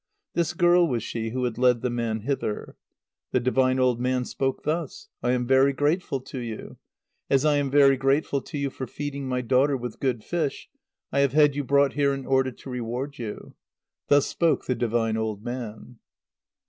This girl was she who had led the man hither. The divine old man spoke thus: "I am very grateful to you. As I am very grateful to you for feeding my daughter with good fish, I have had you brought here in order to reward you." Thus spoke the divine old man.